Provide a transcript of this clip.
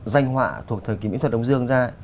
danh họa thuộc thời kỳ mỹ thuật đông dương ra